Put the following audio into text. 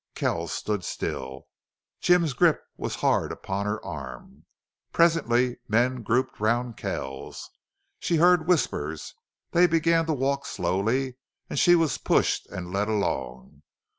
Kells stood still. Jim's grip was hard upon her arm. Presently men grouped round Kells. She heard whispers. They began to walk slowly, and she was pushed and led along.